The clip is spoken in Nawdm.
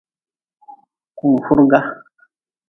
Kunfurga.